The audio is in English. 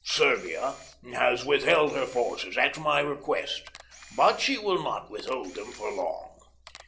Serbia has withheld her forces at my request, but she will not withhold them for long.